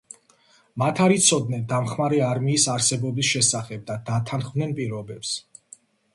მათ არ იცოდნენ დამხმარე არმიის არსებობის შესახებ და დათანხმდნენ პირობებს.